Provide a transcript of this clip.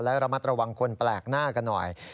และระมัดระวังคนแปลกหน้ากันหน่อย